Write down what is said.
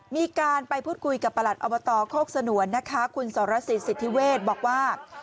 มีการไปพูดคุยกับประหลัดอบตโคกสนวนนะคะคุณสรสิทธสิทธิเวศบอกว่า